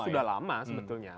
sudah lama sebetulnya